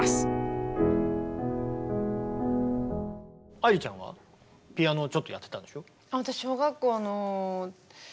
愛理ちゃんはピアノちょっとやってたんでしょ？